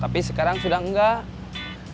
tapi sekarang sudah enggak